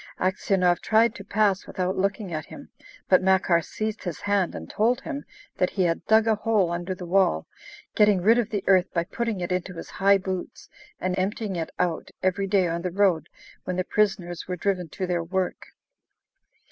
Aksionov tried to pass without looking at him, but Makar seized his hand and told him that he had dug a hole under the wall, getting rid of the earth by putting it into his high boots, and emptying it out every day on the road when the prisoners were driven to their work.